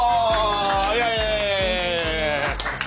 イエイ！